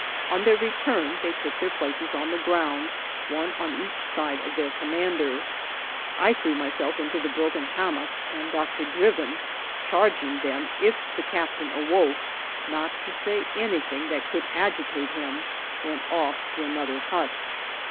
On their return they took their places on the ground, one on each side of their commander. I threw myself into the broken hammock; and Dr. Drivin, charging them, if the captain awc^e, not to say anything that could agitate him, went off to another hut.